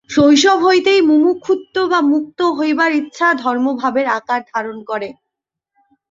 শৈশব হইতেই মুমুক্ষুত্ব বা মুক্ত হইবার ইচ্ছা ধর্মভাবের আকার ধারণ করে।